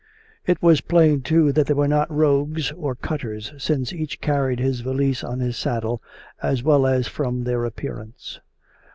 It was plain, too, that they were not rogues or cutters, since each carried his valise on his saddle, as well as from their appearance.